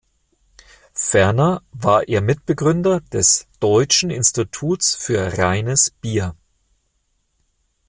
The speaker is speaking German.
Ferner war er Mitbegründer des "Deutschen Instituts für Reines Bier".